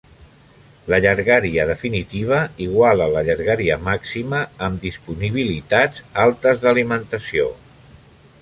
La llargària definitiva iguala la llargària màxima amb disponibilitats altes d'alimentació.